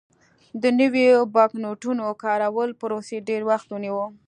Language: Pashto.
د نویو بانکنوټونو کارولو پروسې ډېر وخت ونیو.